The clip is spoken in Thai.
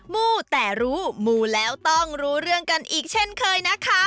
มู้แต่รู้มูแล้วต้องรู้เรื่องกันอีกเช่นเคยนะคะ